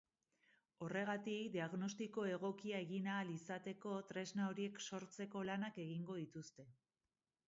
Horregatik, diagnostiko egokia egin ahal izateko tresna horiek sortzeko lanak egingo dituzte.